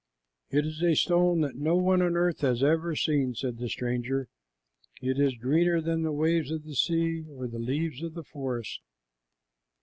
"It is a stone that no one on earth has ever seen," said the stranger. "It is greener than the waves of the sea or the leaves of the forest."